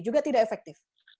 juga tidak efektif